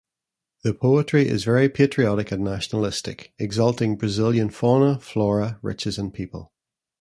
The poetry is very patriotic and nationalistic, exalting Brazilian fauna, flora, riches and people.